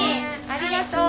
ありがとう。